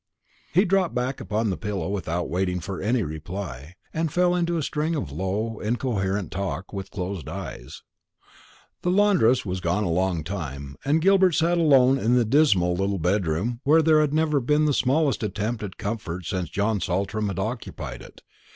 He dropped back upon the pillow without waiting for any reply, and fell into a string of low incoherent talk, with closed eyes. The laundress was a long time gone, and Gilbert sat alone in the dismal little bedroom, where there had never been the smallest attempt at comfort since John Saltram had occupied it.